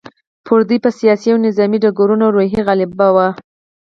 پر دوی په سیاسي او نظامي ډګرونو روحیه غالبه وه.